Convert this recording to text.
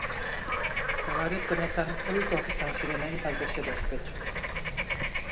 Kabaret honetan ohikoak izan ziren hainbat bezero ospetsu.